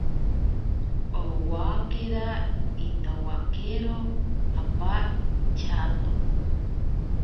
Owakera itowakero apa inchato.